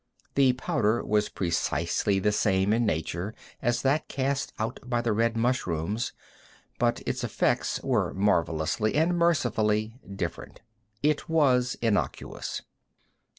The powder was precisely the same in nature as that cast out by the red mushrooms, but its effects were marvelously and mercifully different; it was innocuous.